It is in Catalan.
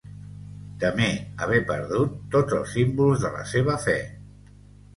Temé haver perdut tots els símbols de la seva fe.